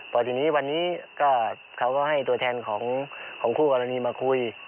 พอทีนี้วันนี้ก็เขาก็ให้ตัวแทนของคู่กรณีมาคุย